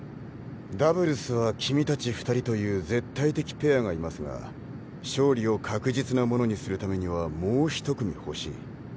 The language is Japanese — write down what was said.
ダブルスは君達２人という絶対的ペアがいますが勝利を確実なものにするためにはもう１組ほしい。